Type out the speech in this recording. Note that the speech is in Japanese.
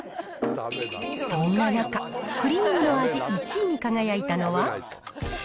そんな中、クリームの味１位に輝いたのは。